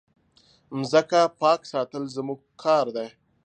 مځکه پاک ساتل زموږ کار دی.